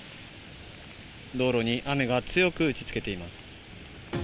道路に雨が強く打ちつけています。